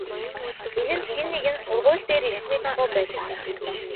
Энэ нь хэн нэгэн сургууль дээр ирсний дохио байлаа.